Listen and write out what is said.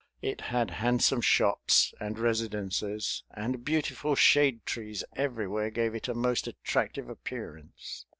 It had handsome shops and residences, and beautiful shade trees everywhere gave it a most attractive appearance.